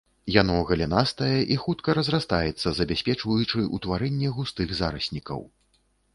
Яно галінастае і хутка разрастаецца, забяспечваючы ўтварэнне густых зараснікаў.